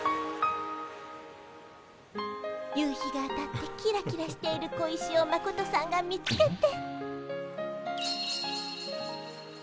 夕日が当たってキラキラしている小石をマコトさんが見つけて。